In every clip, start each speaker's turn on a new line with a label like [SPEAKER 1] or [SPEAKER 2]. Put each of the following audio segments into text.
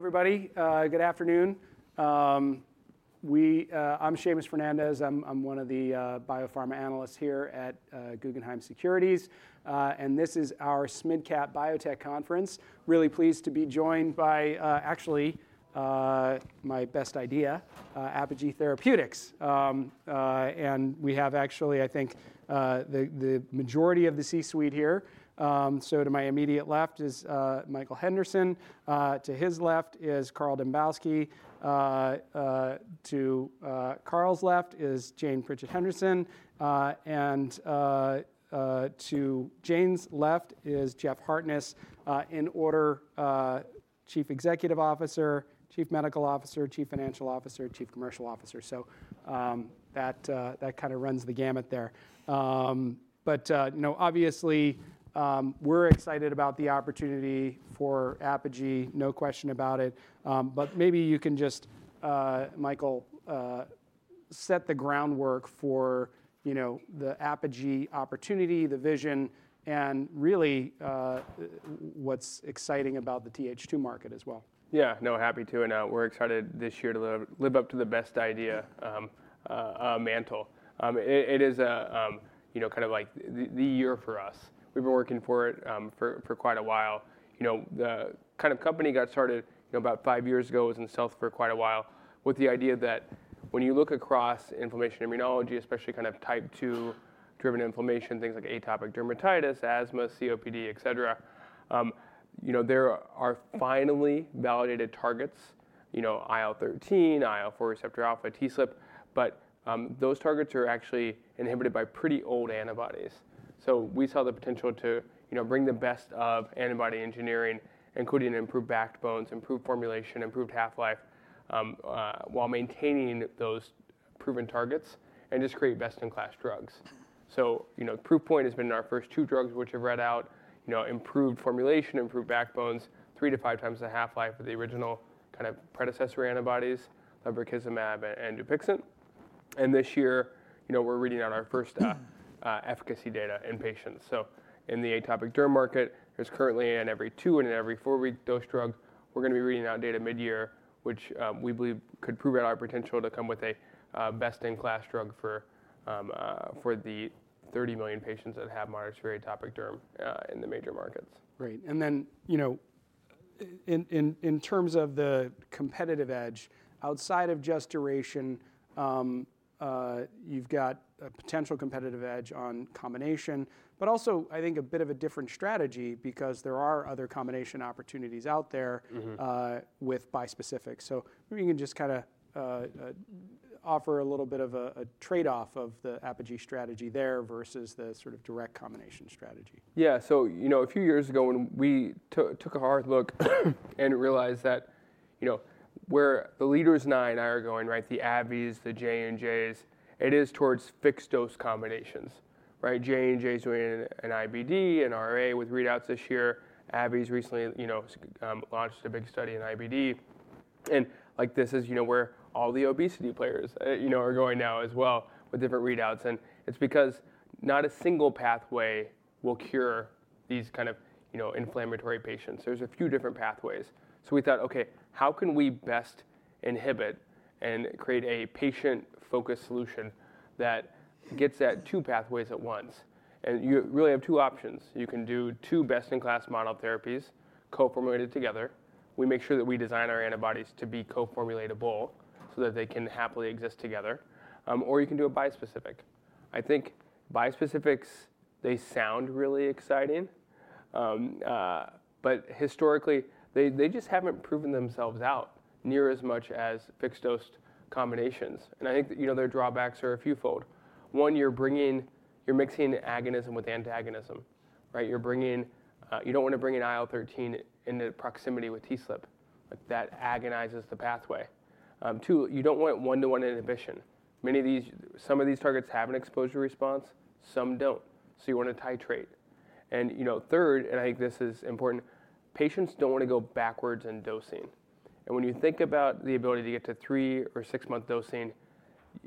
[SPEAKER 1] Everybody, good afternoon. I'm Seamus Fernandez. I'm one of the biopharma analysts here at Guggenheim Securities, and this is our SMID-cap biotech conference. Really pleased to be joined by, actually, my best idea, Apogee Therapeutics, and we have actually, I think, the majority of the C-suite here. So to my immediate left is Michael Henderson. To his left is Carl Dambkowski. To Carl's left is Jane Pritchett Henderson. And to Jane's left is Jeff Hartness, in order, Chief Executive Officer, Chief Medical Officer, Chief Financial Officer, Chief Commercial Officer. So that kind of runs the gamut there, but obviously, we're excited about the opportunity for Apogee, no question about it, but maybe you can just, Michael, set the groundwork for the Apogee opportunity, the vision, and really what's exciting about the Th2 market as well.
[SPEAKER 2] Yeah, no, happy to. And we're excited this year to live up to the best idea mantle. It is kind of like the year for us. We've been working for it for quite a while. The kind of company got started about five years ago was in the South for quite a while, with the idea that when you look across inflammation immunology, especially kind of type 2-driven inflammation, things like atopic dermatitis, asthma, COPD, et cetera, there are finally validated targets, IL-13, IL-4 receptor alpha, TSLP. But those targets are actually inhibited by pretty old antibodies. So we saw the potential to bring the best of antibody engineering, including improved backbones, improved formulation, improved half-life, while maintaining those proven targets and just create best-in-class drugs. So our platform has been in our first two drugs which have read out improved formulation, improved backbones, three to five times the half-life of the original kind of predecessor antibodies, like lebrikizumab and Dupixent. And this year, we're reading out our first efficacy data in patients. So in the atopic derm market, there's currently an every two and an every four-week dose drug. We're going to be reading out data mid-year, which we believe could prove out our potential to come with a best-in-class drug for the 30 million patients that have moderate to severe atopic derm in the major markets.
[SPEAKER 1] Great. And then in terms of the competitive edge, outside of just duration, you've got a potential competitive edge on combination, but also, I think, a bit of a different strategy because there are other combination opportunities out there with bispecifics. So maybe you can just kind of offer a little bit of a trade-off of the Apogee strategy there versus the sort of direct combination strategy.
[SPEAKER 2] Yeah. So a few years ago, when we took a hard look and realized that where the leaders in are going, right, the AbbVie, the J&Js, it is towards fixed dose combinations. J&J is doing an IBD and RA with readouts this year. AbbVie's recently launched a big study in IBD. And this is where all the obesity players are going now as well with different readouts. And it's because not a single pathway will cure these kinds of inflammatory patients. There's a few different pathways. So we thought, OK, how can we best inhibit and create a patient-focused solution that gets at two pathways at once? And you really have two options. You can do two best-in-class monotherapies, co-formulated together. We make sure that we design our antibodies to be co-formulatable so that they can happily exist together. Or you can do a bispecific. I think bispecifics, they sound really exciting, but historically, they just haven't proven themselves out near as much as fixed dose combinations, and I think their drawbacks are a few-fold. One, you're bringing, you're mixing agonism with antagonism. You don't want to bring in IL-13 in the proximity with TSLP. That agonizes the pathway. Two, you don't want one-to-one inhibition. Some of these targets have an exposure response. Some don't. So you want to titrate. And third, and I think this is important, patients don't want to go backwards in dosing. And when you think about the ability to get to three or six-month dosing,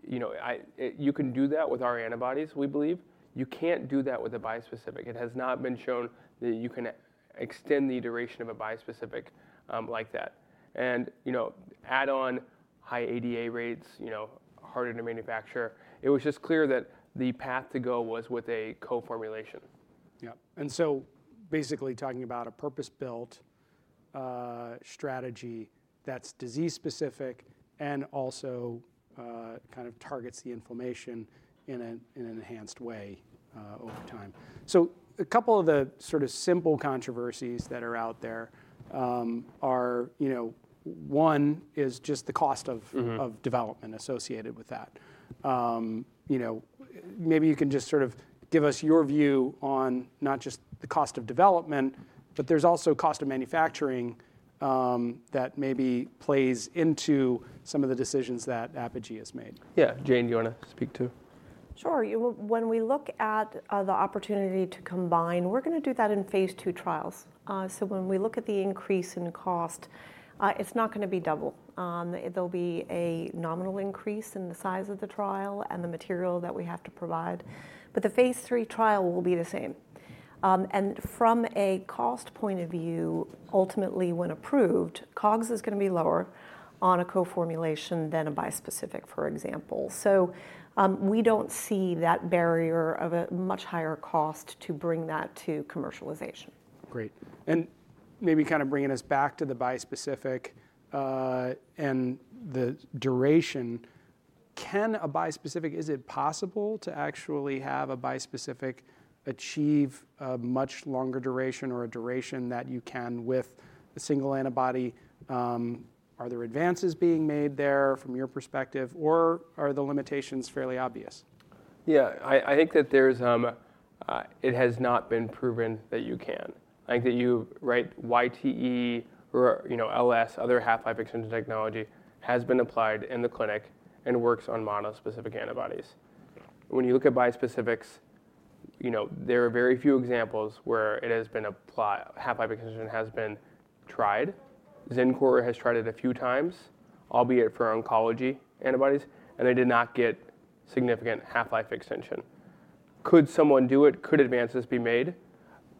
[SPEAKER 2] you can do that with our antibodies, we believe. You can't do that with a bispecific. It has not been shown that you can extend the duration of a bispecific like that. And add on high ADA rates, harder to manufacture. It was just clear that the path to go was with a co-formulation.
[SPEAKER 1] Yeah. And so basically talking about a purpose-built strategy that's disease-specific and also kind of targets the inflammation in an enhanced way over time. So a couple of the sort of simple controversies that are out there are, one, is just the cost of development associated with that. Maybe you can just sort of give us your view on not just the cost of development, but there's also cost of manufacturing that maybe plays into some of the decisions that Apogee has made.
[SPEAKER 2] Yeah. Jane, do you want to speak too?
[SPEAKER 3] Sure. When we look at the opportunity to combine, we're going to do that in phase II trials. So when we look at the increase in cost, it's not going to be double. There'll be a nominal increase in the size of the trial and the material that we have to provide. But the phase III trial will be the same. And from a cost point of view, ultimately, when approved, COGS is going to be lower on a co-formulation than a bispecific, for example. So we don't see that barrier of a much higher cost to bring that to commercialization.
[SPEAKER 1] Great. And maybe kind of bringing us back to the bispecific and the duration, can a bispecific, is it possible to actually have a bispecific achieve a much longer duration or a duration that you can with a single antibody? Are there advances being made there from your perspective, or are the limitations fairly obvious?
[SPEAKER 2] Yeah. I think that it has not been proven that you can. I think that you, right, YTE or LS, other half-life extension technology, has been applied in the clinic and works on monospecific antibodies. When you look at bispecifics, there are very few examples where it has been applied, half-life extension has been tried. Xencor has tried it a few times, albeit for oncology antibodies. And they did not get a significant half-life extension. Could someone do it? Could advances be made?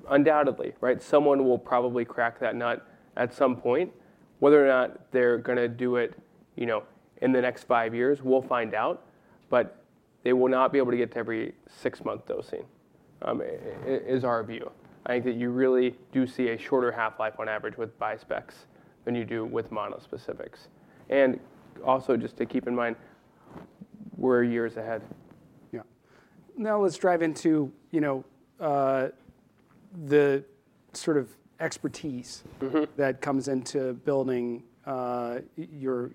[SPEAKER 2] Undoubtedly, right? Someone will probably crack that nut at some point. Whether or not they're going to do it in the next five years, we'll find out. But they will not be able to get to every six-month dosing is our view. I think that you really do see a shorter half-life on average with bispecifics than you do with monospecifics. And also, just to keep in mind, we're years ahead.
[SPEAKER 1] Yeah. Now, let's dive into the sort of expertise that comes into building your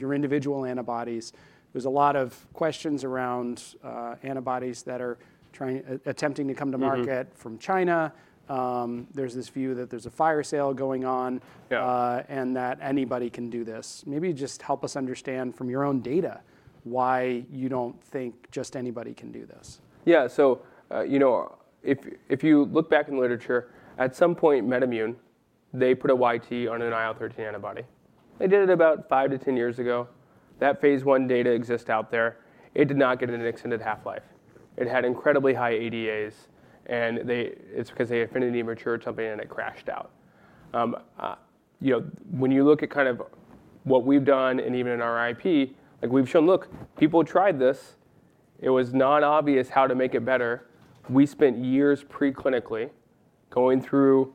[SPEAKER 1] individual antibodies. There's a lot of questions around antibodies that are attempting to come to market from China. There's this view that there's a fire sale going on and that anybody can do this. Maybe just help us understand from your own data why you don't think just anybody can do this.
[SPEAKER 2] Yeah. So if you look back in the literature, at some point, MedImmune, they put a YTE on an IL-13 antibody. They did it about five to 10 years ago. That phase I data exists out there. It did not get an extended half-life. It had incredibly high ADAs. And it's because they had finally matured something, and it crashed out. When you look at kind of what we've done, and even in our IP, we've shown, look, people tried this. It was not obvious how to make it better. We spent years preclinically going through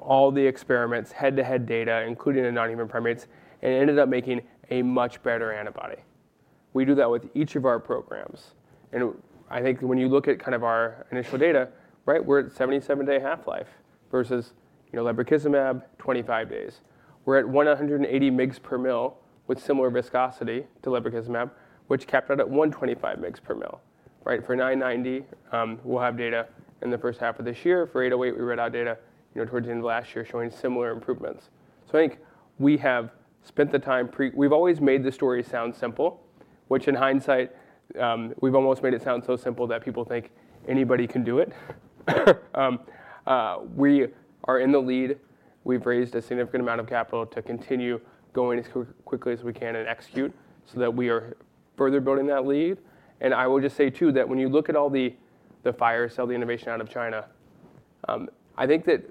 [SPEAKER 2] all the experiments, head-to-head data, including in non-human primates, and ended up making a much better antibody. We do that with each of our programs. And I think when you look at kind of our initial data, right, we're at 77-day half-life versus lebrikizumab, 25 days. We're at 180 mg/mL with similar viscosity to lebrikizumab, which capped out at 125 mg/mL. For 990, we'll have data in the first half of this year. For 808, we read out data towards the end of last year showing similar improvements. So I think we have spent the time. We've always made the story sound simple, which in hindsight, we've almost made it sound so simple that people think anybody can do it. We are in the lead. We've raised a significant amount of capital to continue going as quickly as we can and execute so that we are further building that lead. And I will just say too that when you look at all the fire sale, the innovation out of China, I think that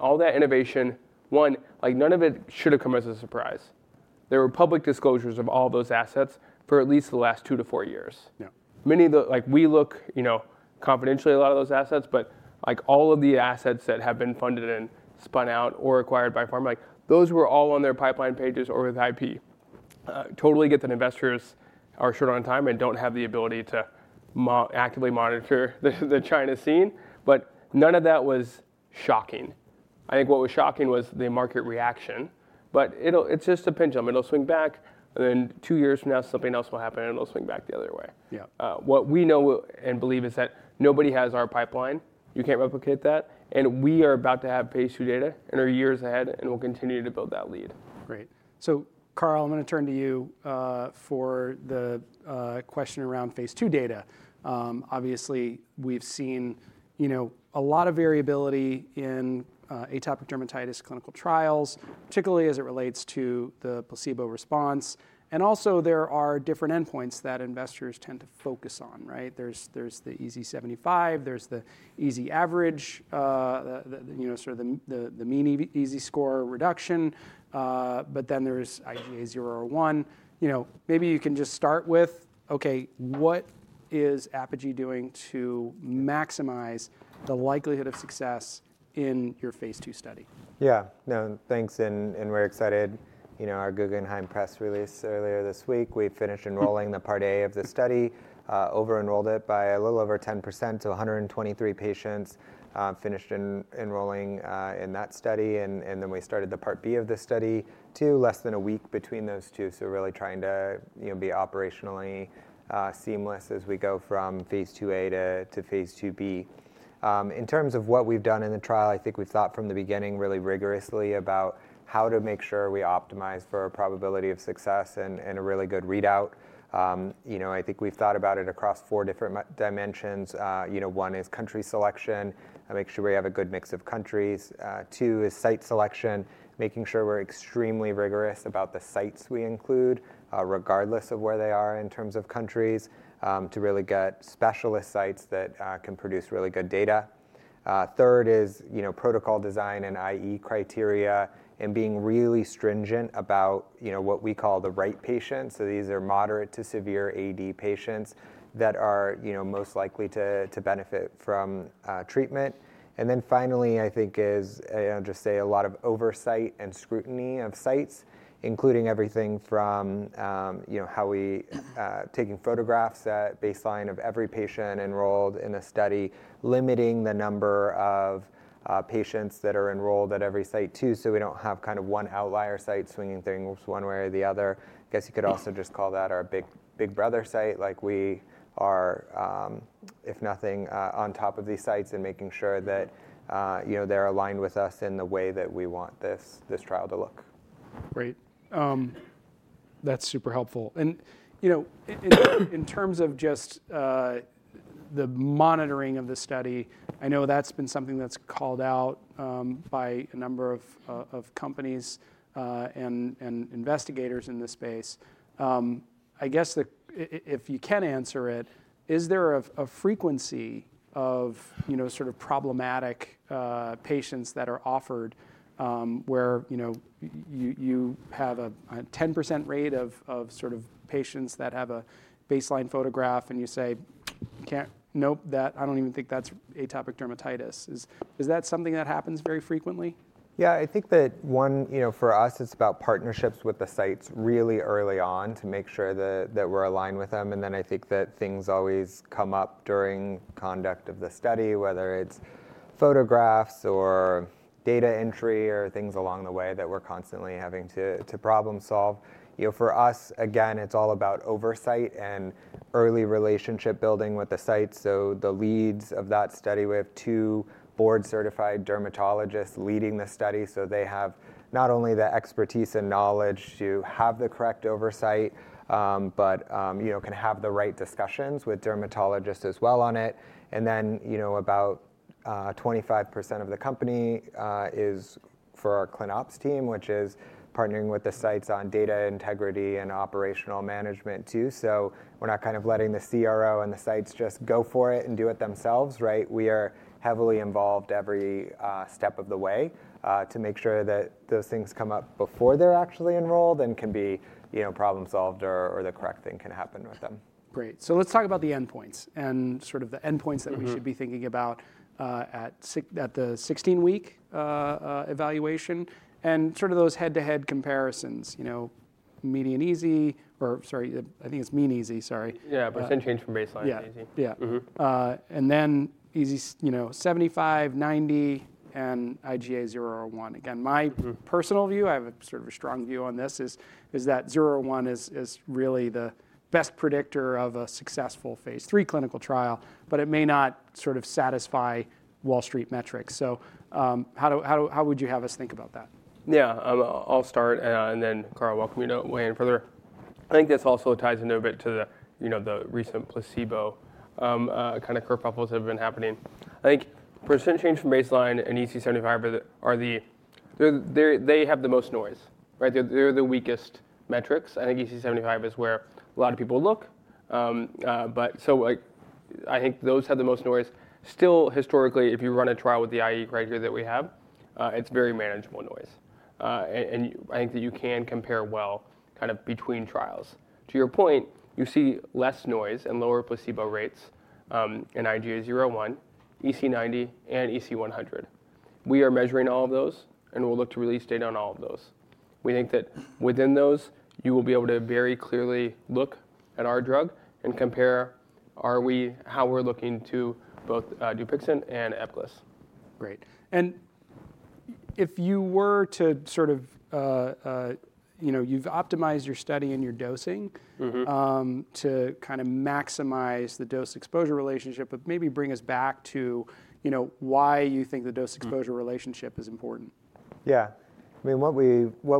[SPEAKER 2] all that innovation, one, none of it should have come as a surprise. There were public disclosures of all those assets for at least the last two to four years. Many of the, we look confidentially at a lot of those assets. But all of the assets that have been funded and spun out or acquired by pharma, those were all on their pipeline pages or with IP. Totally get that investors are short on time and don't have the ability to actively monitor the China scene. But none of that was shocking. I think what was shocking was the market reaction, but it's just a pendulum. It'll swing back, and then two years from now, something else will happen, and it'll swing back the other way. What we know and believe is that nobody has our pipeline. You can't replicate that. And we are about to have phase II data and are years ahead, and we'll continue to build that lead.
[SPEAKER 1] Great. So Carl, I'm going to turn to you for the question around phase II data. Obviously, we've seen a lot of variability in atopic dermatitis clinical trials, particularly as it relates to the placebo response. And also, there are different endpoints that investors tend to focus on, right? There's the EASI-75. There's the EASI average, sort of the mean EASI score reduction. But then there's IGA 0/1. Maybe you can just start with, OK, what is Apogee doing to maximize the likelihood of success in your phase II study?
[SPEAKER 4] Yeah. No, thanks. We're excited. Our Guggenheim press release earlier this week, we finished enrolling part A of the study, over-enrolled it by a little over 10% to 123 patients, finished enrolling in that study, and then we started part B of the study too, less than a week between those two, so we're really trying to be operationally seamless as we go from phase II-A to phase II-B. In terms of what we've done in the trial, I think we've thought from the beginning really rigorously about how to make sure we optimize for a probability of success and a really good readout. I think we've thought about it across four different dimensions. One is country selection, make sure we have a good mix of countries. Two is site selection, making sure we're extremely rigorous about the sites we include, regardless of where they are in terms of countries, to really get specialist sites that can produce really good data. Third is protocol design and IE criteria, and being really stringent about what we call the right patients. So these are moderate to severe AD patients that are most likely to benefit from treatment. And then finally, I think it is, I'll just say, a lot of oversight and scrutiny of sites, including everything from how we take photographs at baseline of every patient enrolled in a study, limiting the number of patients that are enrolled at every site too so we don't have kind of one outlier site swinging things one way or the other. I guess you could also just call that our big brother site. We are, if nothing, on top of these sites and making sure that they're aligned with us in the way that we want this trial to look.
[SPEAKER 1] Great. That's super helpful. And in terms of just the monitoring of the study, I know that's been something that's called out by a number of companies and investigators in this space. I guess if you can answer it, is there a frequency of sort of problematic patients that are offered, where you have a 10% rate of sort of patients that have a baseline photograph, and you say, nope, I don't even think that's atopic dermatitis? Is that something that happens very frequently?
[SPEAKER 4] Yeah. I think that one, for us, it's about partnerships with the sites really early on to make sure that we're aligned with them. And then I think that things always come up during conduct of the study, whether it's photographs or data entry or things along the way that we're constantly having to problem solve. For us, again, it's all about oversight and early relationship building with the sites. So the leads of that study, we have two board-certified dermatologists leading the study. So they have not only the expertise and knowledge to have the correct oversight, but can have the right discussions with dermatologists as well on it. And then about 25% of the company is for our ClinOps team, which is partnering with the sites on data integrity and operational management too. We're not kind of letting the CRO and the sites just go for it and do it themselves, right? We are heavily involved every step of the way to make sure that those things come up before they're actually enrolled and can be problem solved or the correct thing can happen with them.
[SPEAKER 1] Great. So let's talk about the endpoints and sort of the endpoints that we should be thinking about at the 16-week evaluation and sort of those head-to-head comparisons, mean EASI, or sorry, I think it's mean EASI, sorry.
[SPEAKER 2] Yeah, percent change from baseline is easy.
[SPEAKER 1] Yeah. And then EASI-75, EASI-90, and IGA 0/1. Again, my personal view, I have sort of a strong view on this, is that IGA 0/1 is really the best predictor of a successful phase III clinical trial, but it may not sort of satisfy Wall Street metrics. So how would you have us think about that?
[SPEAKER 2] Yeah. I'll start, and then Carl, welcome you to weigh in further. I think this also ties into a bit to the recent placebo kind of curve balls that have been happening. I think percent change from baseline and EASI-75, they have the most noise, right? They're the weakest metrics. I think EASI-75 is where a lot of people look. So I think those have the most noise. Still, historically, if you run a trial with the IE criteria that we have, it's very manageable noise, and I think that you can compare well kind of between trials. To your point, you see less noise and lower placebo rates in IGA 0/1, EASI-90, and EASI-100. We are measuring all of those, and we'll look to release data on all of those. We think that within those, you will be able to very clearly look at our drug and compare how we're looking to both Dupixent and Ebglyss.
[SPEAKER 1] Great, and if you were to sort of, you've optimized your study and your dosing to kind of maximize the dose-exposure relationship, but maybe bring us back to why you think the dose-exposure relationship is important.
[SPEAKER 4] Yeah. I mean, what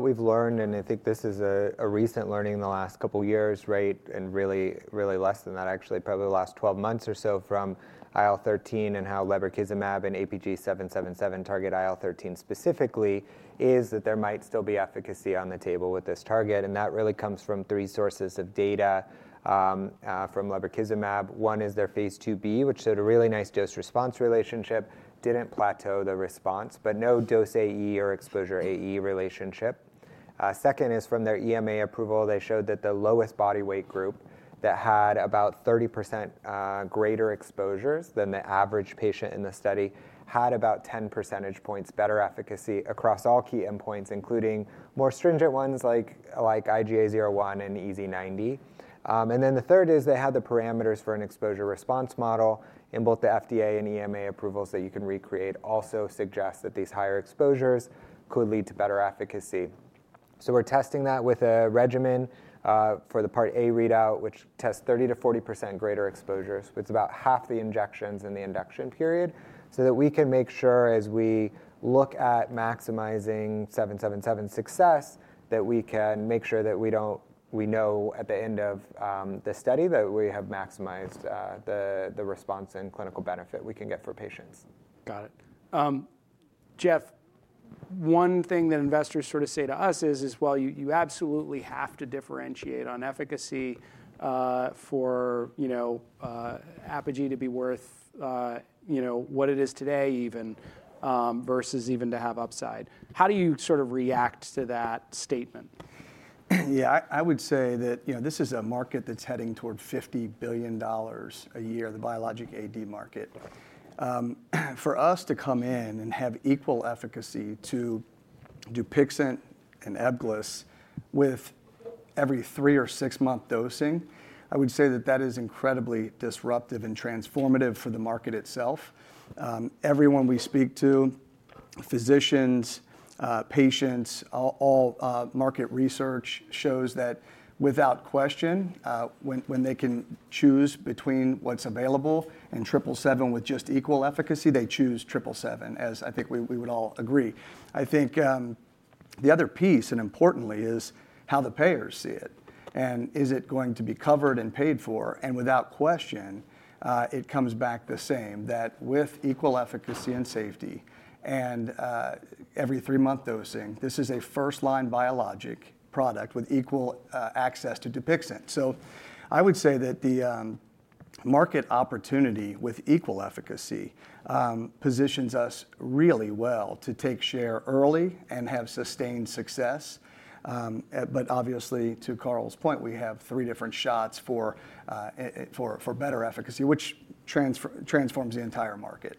[SPEAKER 4] we've learned, and I think this is a recent learning in the last couple of years, right, and really less than that, actually, probably the last 12 months or so from IL-13 and how lebrikizumab and APG777 target IL-13 specifically is that there might still be efficacy on the table with this target. And that really comes from three sources of data from lebrikizumab. One is their phase II-B, which showed a really nice dose-response relationship, didn't plateau the response, but no dose AE or exposure AE relationship. Second is from their EMA approval. They showed that the lowest body weight group that had about 30% greater exposures than the average patient in the study had about 10 percentage points better efficacy across all key endpoints, including more stringent ones like IGA 0/1 and EASI-90. And then the third is they had the parameters for an exposure response model in both the FDA and EMA approvals that you can recreate, also suggest that these higher exposures could lead to better efficacy. So we're testing that with a regimen for the part A readout, which tests 30%-40% greater exposures. It's about half the injections in the induction period so that we can make sure as we look at maximizing 777 success that we can make sure that we know at the end of the study that we have maximized the response and clinical benefit we can get for patients.
[SPEAKER 1] Got it. Jeff, one thing that investors sort of say to us is, well, you absolutely have to differentiate on efficacy for Apogee to be worth what it is today even versus even to have upside. How do you sort of react to that statement?
[SPEAKER 5] Yeah. I would say that this is a market that's heading toward $50 billion a year, the biologic AD market. For us to come in and have equal efficacy to Dupixent and Ebglyss with every three or six-month dosing, I would say that that is incredibly disruptive and transformative for the market itself. Everyone we speak to, physicians, patients, all market research shows that without question, when they can choose between what's available and 777 with just equal efficacy, they choose 777, as I think we would all agree. I think the other piece, and importantly, is how the payers see it and is it going to be covered and paid for? and without question, it comes back the same that with equal efficacy and safety and every three-month dosing, this is a first-line biologic product with equal access to Dupixent. So I would say that the market opportunity with equal efficacy positions us really well to take share early and have sustained success. But obviously, to Carl's point, we have three different shots for better efficacy, which transforms the entire market.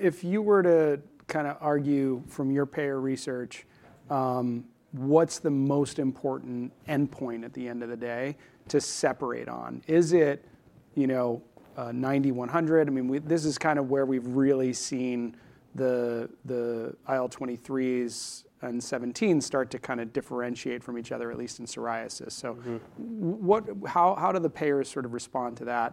[SPEAKER 1] If you were to kind of argue from your payer research, what's the most important endpoint at the end of the day to separate on? Is it 90, 100? I mean, this is kind of where we've really seen the IL-23s and 17s start to kind of differentiate from each other, at least in psoriasis. So how do the payers sort of respond to that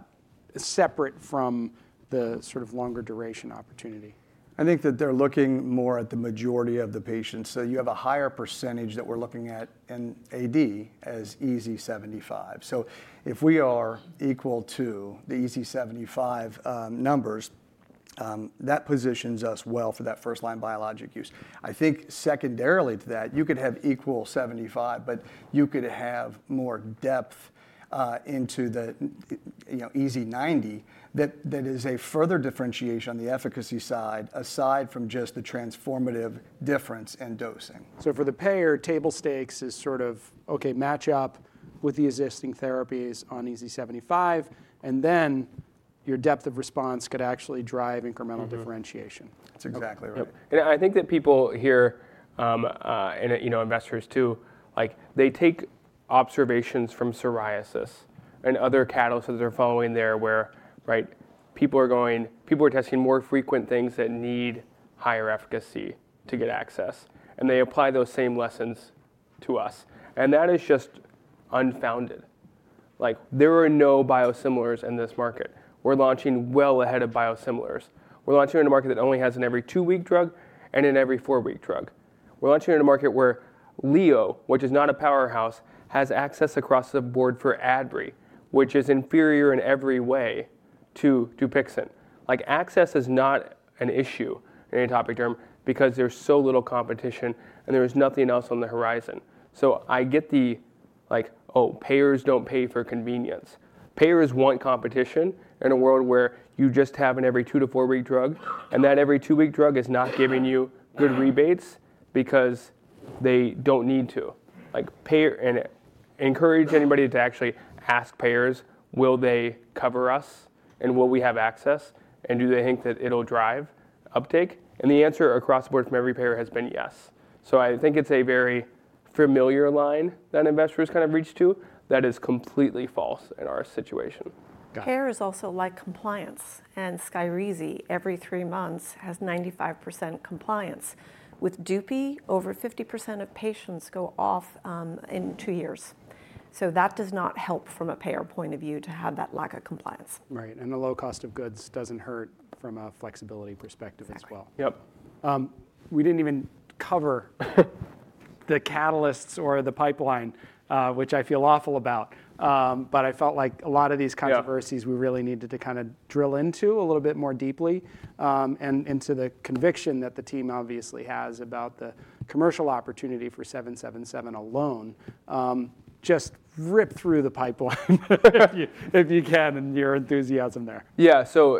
[SPEAKER 1] separate from the sort of longer duration opportunity?
[SPEAKER 5] I think that they're looking more at the majority of the patients. So you have a higher percentage that we're looking at in AD as EASI-75. So if we are equal to the EASI-75 numbers, that positions us well for that first-line biologic use. I think secondarily to that, you could have equal 75, but you could have more depth into the EASI-90 that is a further differentiation on the efficacy side aside from just the transformative difference in dosing. For the payer, table stakes is sort of OK, match up with the existing therapies on EASI-75, and then your depth of response could actually drive incremental differentiation.
[SPEAKER 1] That's exactly right.
[SPEAKER 2] And I think that people here, and investors too, they take observations from psoriasis and other catalysts that they're following there where, right, people are testing more frequent things that need higher efficacy to get access. And they apply those same lessons to us. And that is just unfounded. There are no biosimilars in this market. We're launching well ahead of biosimilars. We're launching into a market that only has an every two-week drug and an every four-week drug. We're launching into a market where LEO, which is not a powerhouse, has access across the Board for Adbry, which is inferior in every way to Dupixent. Access is not an issue in atopic derm because there's so little competition and there is nothing else on the horizon. So I get the, oh, payers don't pay for convenience. Payers want competition in a world where you just have an every two-to-four-week drug, and that every two-week drug is not giving you good rebates because they don't need to. Encourage anybody to actually ask payers, will they cover us, and will we have access, and do they think that it'll drive uptake? And the answer across the board from every payer has been yes. So I think it's a very familiar line that investors kind of reach to that is completely false in our situation.
[SPEAKER 3] Payer is also like compliance, and Skyrizi, every three months has 95% compliance. With Dupixent, over 50% of patients go off in two years. So that does not help from a payer point of view to have that lack of compliance.
[SPEAKER 1] Right. And the low cost of goods doesn't hurt from a flexibility perspective as well.
[SPEAKER 2] Yep.
[SPEAKER 1] We didn't even cover the catalysts or the pipeline, which I feel awful about. But I felt like a lot of these controversies we really needed to kind of drill into a little bit more deeply and into the conviction that the team obviously has about the commercial opportunity for 777 alone. Just rip through the pipeline if you can, and your enthusiasm there.
[SPEAKER 2] Yeah. So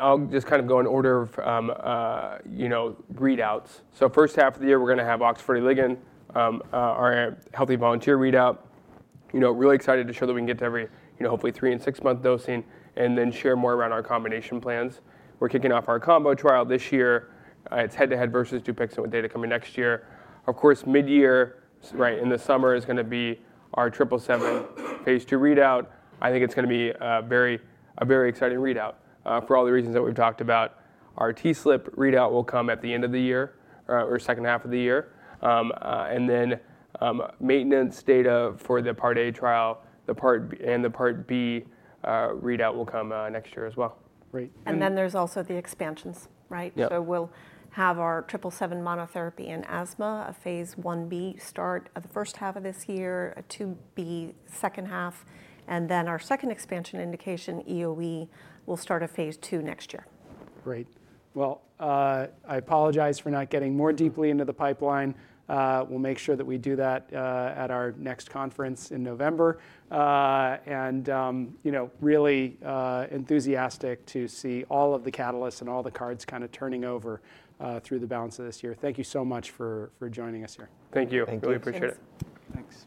[SPEAKER 2] I'll just kind of go in order of readouts. So first half of the year, we're going to have OX40 ligand, our healthy volunteer readout. Really excited to show that we can get to every hopefully three and six-month dosing and then share more around our combination plans. We're kicking off our combo trial this year. It's head-to-head versus Dupixent with data coming next year. Of course, mid-year, right in the summer, is going to be our 777 phase II readout. I think it's going to be a very exciting readout for all the reasons that we've talked about. Our TSLP readout will come at the end of the year or second half of the year. And then maintenance data for the part A trial and the part B readout will come next year as well.
[SPEAKER 3] And then there's also the expansions, right? So we'll have our 777 monotherapy in asthma, a phase I-B start of the first half of this year, a II-B second half. And then our second expansion indication, EoE, will start a phase II next year.
[SPEAKER 1] Great. Well, I apologize for not getting more deeply into the pipeline. We'll make sure that we do that at our next conference in November, and really enthusiastic to see all of the catalysts and all the cards kind of turning over through the balance of this year. Thank you so much for joining us here.
[SPEAKER 2] Thank you.
[SPEAKER 1] Thank you.
[SPEAKER 2] Really appreciate it.
[SPEAKER 1] Thanks.